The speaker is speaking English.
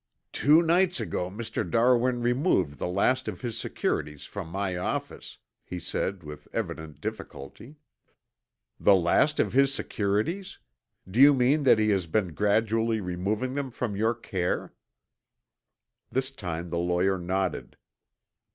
"Two nights ago Mr. Darwin removed the last of his securities from my office," he said with evident difficulty. "The last of his securities? Do you mean that he had been gradually removing them from your care?" This time the lawyer nodded.